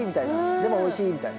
でもおいしいみたいな。